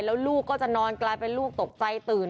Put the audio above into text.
แล้วลูกก็จะนอนกลายเป็นลูกตกใจตื่น